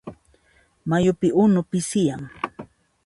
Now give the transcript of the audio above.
Mayupi unu pisiyan.